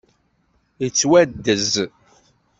Yettwaddez.